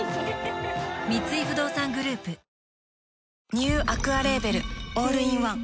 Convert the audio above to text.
ニューアクアレーベルオールインワン